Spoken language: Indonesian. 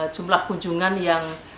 jumlah kunjungan yang